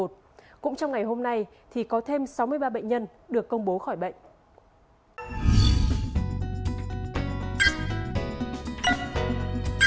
cũng trong ngày hôm nay thì có thêm sáu mươi ba bệnh nhân được công bố khỏi bệnh